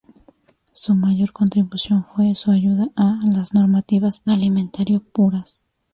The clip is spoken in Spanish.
Su mayor contribución fue su ayuda a las normativas alimentario puras.